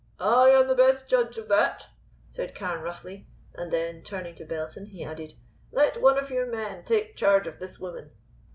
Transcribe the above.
"I am the best judge, of that," said Carne roughly, and then, turning to Belton, he added: "Let one of your men take charge of this woman."